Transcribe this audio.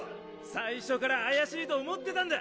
最初から怪しいと思ってたんだ！